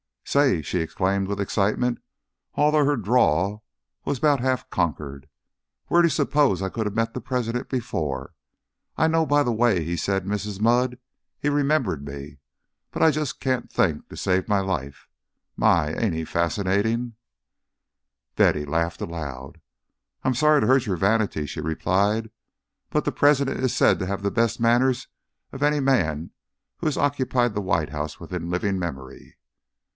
"Say!" she exclaimed with excitement, although her drawl was but half conquered. "Where do you s'pose I could have met the President before? I know by the way he said 'Mrs. Mudd,' he remembered me, but I just can't think, to save my life. My! ain't he fascinating?" Betty had laughed aloud. "I am sorry to hurt your vanity," she replied, "but the President is said to have the best manners of any man who has occupied the White House within living memory."